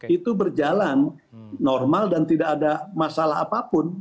itu berjalan normal dan tidak ada masalah apapun